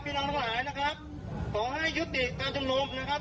น้องทั้งหลายนะครับขอให้ยุติการชุมนุมนะครับ